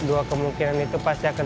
itu dua kemungkinan itu pasti ada di dalam